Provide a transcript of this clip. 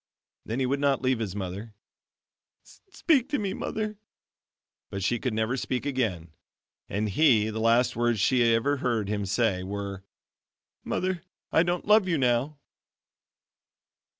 Then he would not leave his mother. "Speak to me, Mother!" but she could never speak again, and he the last words she had ever heard him say, were, "Mother, I don't love you now."